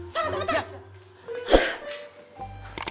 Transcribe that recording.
salah salah salah